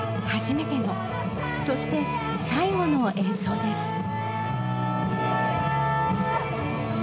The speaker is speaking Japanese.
初めての、そして最後の演奏です。